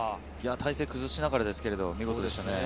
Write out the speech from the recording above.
体勢を崩しながらでしたけど見事でしたね。